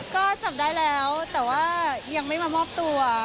ก็จับได้แล้วแต่ว่ายังไม่มามอบตัว